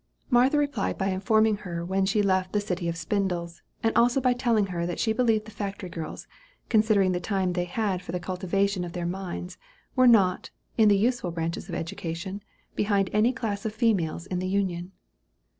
Martha replied by informing her when she left the "city of spindles;" and also by telling her that she believed the factory girls, considering the little time they had for the cultivation of their minds, were not, in the useful branches of education, behind any class of females in the Union.